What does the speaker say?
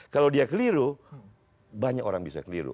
kalau dia keliru banyak orang bisa keliru